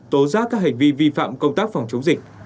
tố giác các hành vi vi phạm công tác phòng chống dịch